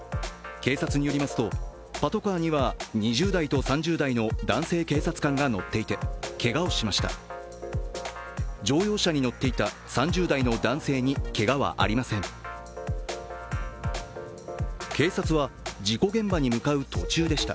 警察によりますとパトカーには２０代と３０代の男性警察官が乗っていて、けがをしました。